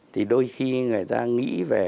thì đôi khi người ta nghĩ về